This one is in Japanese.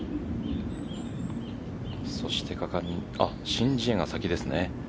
申ジエが先ですね。